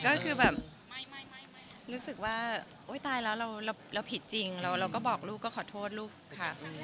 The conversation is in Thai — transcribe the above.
ก็คือรู้สึกว่าตายแล้วเราผิดจริงแล้วเราก็บอกลูกขอโทษลูกค่ะ